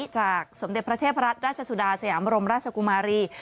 จากสมเด็จพระเทพรัตนราชสุดาสยามรมราชกุมารี